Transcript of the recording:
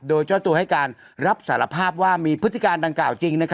โดยเจ้าตัวให้การรับสารภาพว่ามีพฤติการดังกล่าวจริง